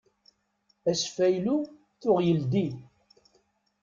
Asfaylu tuɣ yeldi.